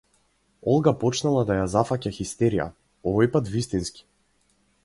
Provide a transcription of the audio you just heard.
Олга почнала да ја зафаќа хистерија, овојпат вистински.